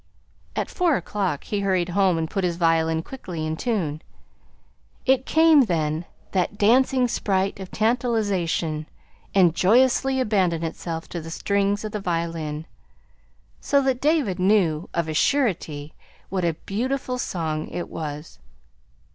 At four o'clock he hurried home and put his violin quickly in tune. It came then that dancing sprite of tantalization and joyously abandoned itself to the strings of the violin, so that David knew, of a surety, what a beautiful song it was.